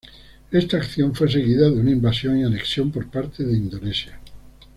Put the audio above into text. Esta acción fue seguida de una invasión y anexión por parte de Indonesia.